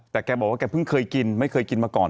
แต่แกบอกว่าแกเพิ่งเคยกินไม่เคยกินมาก่อน